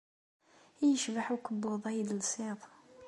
Ay yecbeḥ ukebbuḍ-a ay d-telsiḍ.